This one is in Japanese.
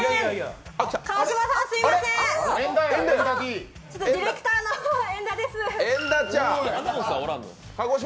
川島さん、すいませんディレクターの遠田です。